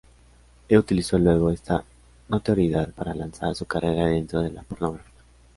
Ella utilizó luego esta notoriedad para lanzar su carrera dentro de la pornografía.